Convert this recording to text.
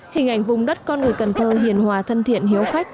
hình ảnh vùng đất con người cần thơ hiền hòa thân thiện hiếu khách